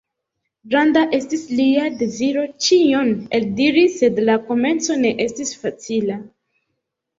Granda estis lia deziro ĉion eldiri, sed la komenco ne estis facila!